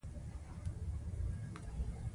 منډه د دوام تمرین دی